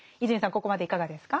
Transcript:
ここまでいかがですか？